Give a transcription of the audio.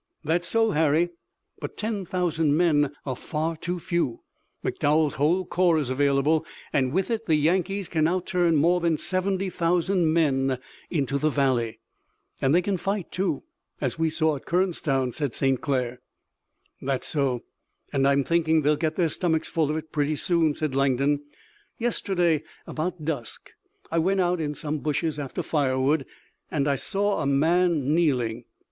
"That's so, Harry, but ten thousand men are far too few. McDowell's whole corps is available, and with it the Yankees can now turn more than seventy thousand men into the valley." "And they can fight, too, as we saw at Kernstown," said St. Clair. "That's so, and I'm thinking they'll get their stomachs full of it pretty soon," said Langdon. "Yesterday about dusk I went out in some bushes after firewood, and I saw a man kneeling.